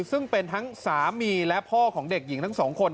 ซึ่งเป็นทั้งสามีและพ่อของเด็กหญิงทั้งสองคน